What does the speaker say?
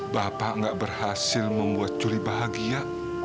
bapak gak berhasil membuat juli bahagia